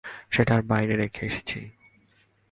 সেটা বাইরে রেখে এসেছি।